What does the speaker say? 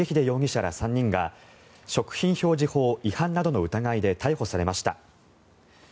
容疑者ら３人が食品表示法違反などの疑いで逮捕されました。